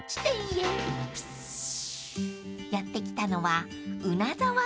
［やって来たのは］